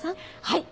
はい！